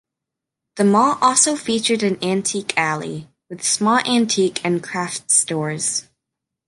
The mall also featured an "Antique Alley" with small antique and craft stores.